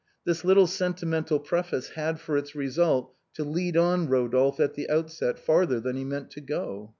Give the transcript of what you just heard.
This little sentimental preface had for its result to lead on Eodophe at the outset further than he meant to go.